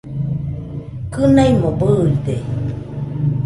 Kɨnaimo bɨide